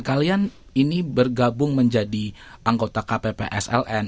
kalian ini bergabung menjadi anggota kppsln